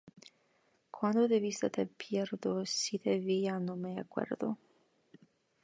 Cuando de vista te pierdo, si te vi ya no me acuerdo.